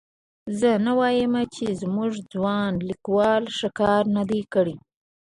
زه نه وایم چې زموږ ځوان لیکوال ښه کار نه دی کړی.